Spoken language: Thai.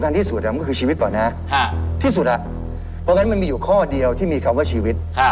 เพราะฉะนั้นมันอยู่ข้อเดียวที่มีชีวิต